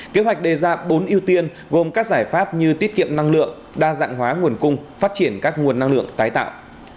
kế hoạch đề ra bốn ưu tiên gồm các giải pháp như tiết kiệm năng lượng đa dạng hóa nguồn cung phát triển các nguồn năng lượng tái tạo